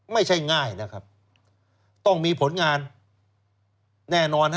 ไม่ใช่ง่ายนะครับต้องมีผลงานแน่นอน